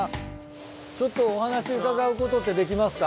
ちょっとお話伺うことってできますか？